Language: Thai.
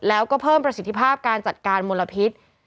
แล้วก็เพิ่มประสิทธิภาพการจัดการมลพิษ